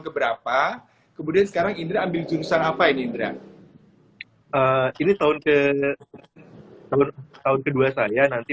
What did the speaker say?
keberapa kemudian sekarang indra ambil jurusan apa ini indra ini tahun ke tahun kedua saya nanti